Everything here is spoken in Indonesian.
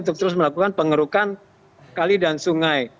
untuk terus melakukan pengerukan kali dan sungai